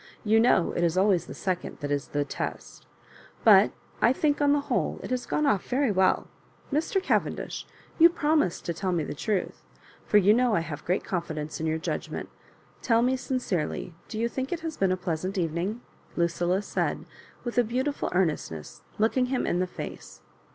^'You know it is always the second that is the test But I think, on the whole, it has gone off very well Mr. Cavendish, you promiSd to tell me the truth ; for you know I have great confidence in your judgmevt. Tell me sincerely, do you think it has been a pleasant evening?" Lucilla said, with a beautiful earnestness, looking him in the face.